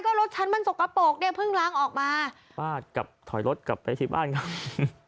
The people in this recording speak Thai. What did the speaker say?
ก็รถฉันมันสกปรกเนี่ยเพิ่งล้างออกมาป้ากับถอยรถกลับไปที่บ้านเขา